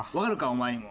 お前にも。